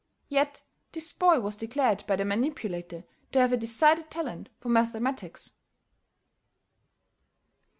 Yet this boy was declared by the manipulator to have a decided talent for mathematics.